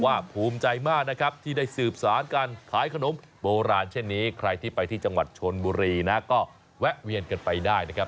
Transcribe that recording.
ในกลุ่มวานที่ได้สืบสันนการขายขนมโบราณเช่นนี้ใครที่ไปที่ชนบุรีและเองก็แวะเวียนกันไปได้นะครับ